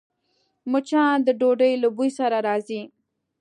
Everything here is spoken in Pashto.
مچان د ډوډۍ له بوی سره راځي